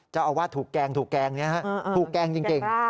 เจ้าอาวาทถูกแกงถูกแกงจริง